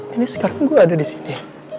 ini sekarang gue ada disini